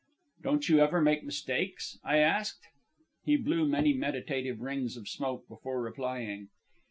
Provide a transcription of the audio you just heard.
"Don't you ever make mistakes?" I asked. He blew many meditative rings of smoke before replying.